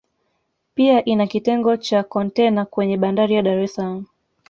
pia ina kitengo cha kontena kwenye Bandari ya Dar es Salaam